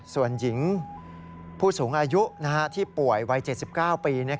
ส่วนหญิงผู้สูงอายุที่ป่วยวัย๗๙ปี